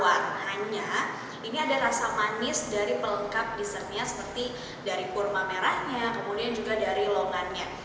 warnanya ini ada rasa manis dari pelengkap dessertnya seperti dari kurma merahnya kemudian juga dari longannya